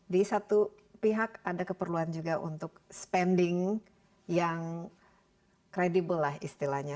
di satu pihak ada keperluan juga untuk spending yang kredibel lah istilahnya